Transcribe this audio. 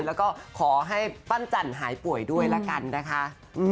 แล้วก็ขอให้ปั้นจันหายป่วยด้วยละกันนะคะ